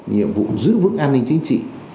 nhiệm vụ giữ vững an ninh chính trị